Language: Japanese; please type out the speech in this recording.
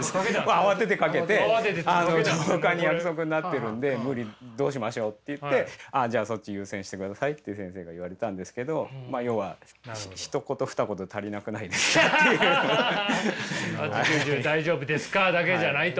慌ててかけてほかに約束になってるんで無理どうしましょうって言ってじゃあそっち優先してくださいって先生が言われたんですけれどまあ要は「８、９、１０大丈夫ですか？」だけじゃないと。